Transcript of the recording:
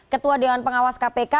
ketua dewan pengawas kpk